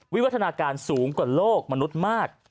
วิวัฒนาการสูงกว่าโลกมนุษย์มาก